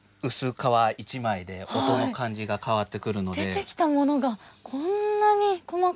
出てきたものがこんなに細かい。